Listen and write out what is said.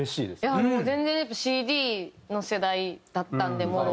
いやあもう全然ＣＤの世代だったんでもろ。